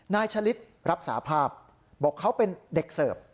ชะลิดรับสาภาพบอกเขาเป็นเด็กเสิร์ฟ